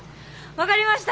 分かりました。